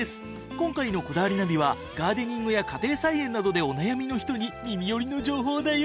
今回の『こだわりナビ』はガーデニングや家庭菜園などでお悩みの人に耳寄りの情報だよ。